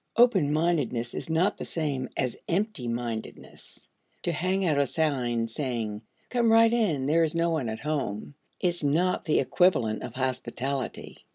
Open mindedness is not the same as empty mindedness. To hang out a sign saying "Come right in; there is no one at home" is not the equivalent of hospitality.